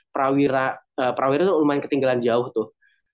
prawira prawira itu lumayan ketinggalan jauh tuh